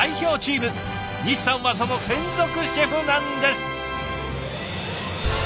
西さんはその専属シェフなんです。